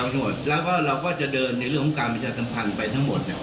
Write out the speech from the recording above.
ทั้งหมดแล้วก็เราก็จะเดินในเรื่องของการประชาสัมพันธ์ไปทั้งหมดเนี่ย